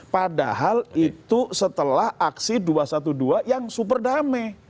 padahal itu setelah aksi dua ratus dua belas yang super damai